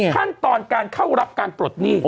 ขั้นตอนการเข้ารับการปลดหนี้